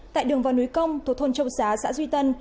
tại đường vào núi công thuộc thôn châu xá xã duy tân